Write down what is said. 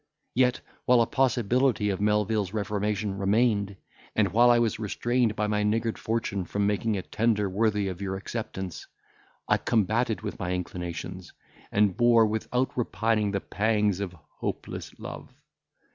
Yet, while a possibility of Melvil's reformation remained, and while I was restrained by my niggard fortune from making a tender worthy of your acceptance, I combated with my inclinations, and bore without repining the pangs of hopeless love.